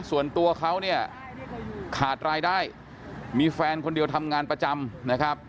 ส่วนตัวเขาเนี่ยขาดรายได้มีแฟนคนเดียวทำงานประจำนะครับ